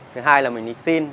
thứ hai là mình đi xin